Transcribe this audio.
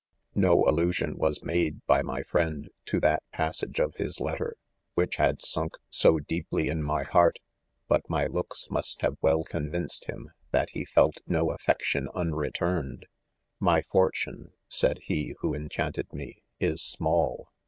4 No allusion .was made, by my friend, to that passage of his letter, which had sunk so deeply in my heart ; but my looks must have well convinced him, that he felt no affection unreturned. " My fortune," said he who en chanted me, "is small.